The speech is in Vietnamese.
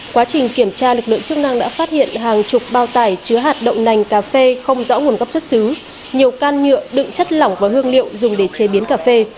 quá trình kiểm tra lực lượng chức năng đã phát hiện hàng chục bao tải chứa hạt đậu nành cà phê không rõ nguồn gốc xuất xứ nhiều can nhựa đựng chất lỏng và hương liệu dùng để chế biến cà phê